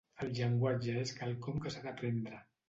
El llenguatge és quelcom que s’ha d’aprendre.